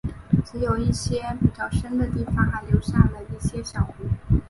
只有一些比较深的地方还留下了一些小湖。